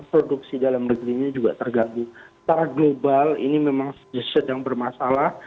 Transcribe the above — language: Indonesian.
karena produksi dalam negerinya juga terganggu secara global ini memang sedang bermasalah